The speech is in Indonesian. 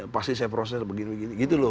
pasti saya proses begini begini